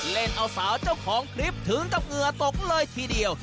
เล่นเอาสาวเจ้าของคลิปถึงกับเหงื่อตกเลยทีเดียว